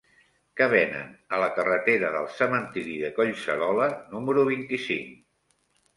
Què venen a la carretera del Cementiri de Collserola número vint-i-cinc?